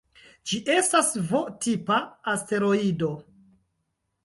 Ĝi estas V-tipa asteroido.